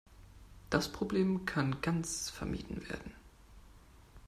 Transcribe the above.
Das Problem kann ganz vermieden werden.